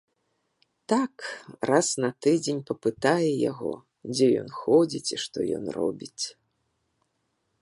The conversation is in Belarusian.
Так, раз на тыдзень папытае яго, дзе ён ходзіць і што ён робіць.